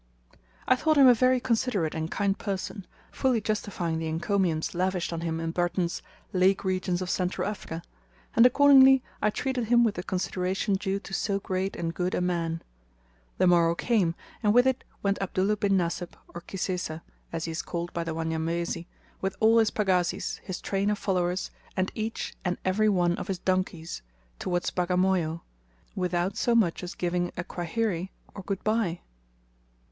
I thought him a very considerate and kind person, fully justifying the encomiums lavished on him in Burton's 'Lake Regions of Central Africa,' and accordingly I treated him with the consideration due to so great and good a man. The morrow came, and with it went Abdullah bin Nasib, or "Kisesa," as he is called by the Wanyamwezi, with all his pagazis, his train of followers, and each and every one of his donkeys, towards Bagamoyo, without so much as giving a "Kwaheri," or good bye.